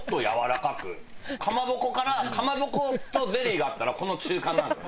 かまぼこからかまぼことゼリーがあったらこの中間なんですよ。